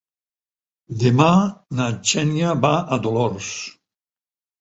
Demà na Xènia va a Dolors.